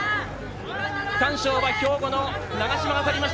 区間賞は兵庫の長嶋がとりました！